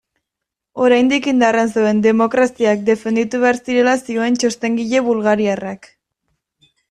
Oraindik indarrean zeuden demokraziak defenditu behar zirela zioen txostengile bulgariarrak.